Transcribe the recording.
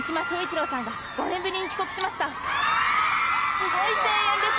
・すごい声援です！